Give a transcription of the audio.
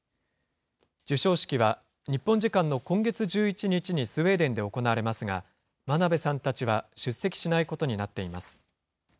授賞式は日本時間の今月１１日にスウェーデンで行われますが、真鍋さんたちは出席しないことになっています。